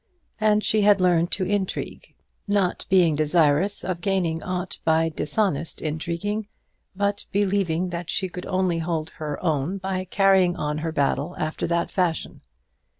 And she had learned to intrigue, not being desirous of gaining aught by dishonest intriguing, but believing that she could only hold her own by carrying on her battle after that fashion.